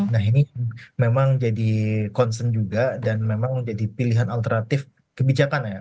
nah ini memang jadi concern juga dan memang menjadi pilihan alternatif kebijakan ya